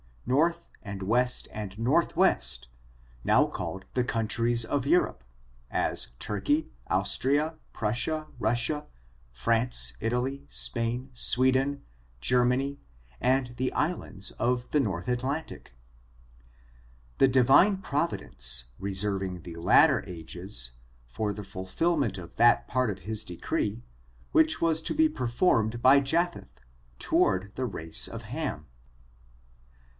north, and west and northwest, now called the countries of Europe: as Turkey, Austria, Prussia, Russia, France, Italy, Spain, Sweden, Germany, and the islands of the north Atlantic; the Divine Provi dence reserving the later ages, for the fulfillment of that part of his decree, which was to be performed by Japheth toward the race of Ham.